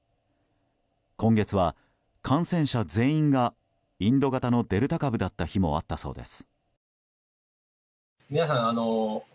今月は感染者全員がインド型のデルタ株だった日もあったそうです。